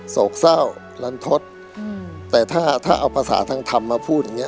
โศกเศร้าลันทศแต่ถ้าถ้าเอาภาษาทางธรรมมาพูดอย่างเงี้